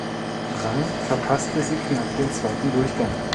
Rang verpasste sie knapp den zweiten Durchgang.